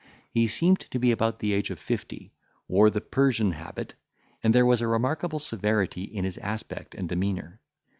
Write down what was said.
He seemed to be about the age of fifty, wore the Persian habit, and there was a remarkable severity in his aspect and demeanour.